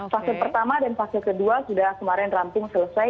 fase pertama dan fase kedua sudah kemarin ramping selesai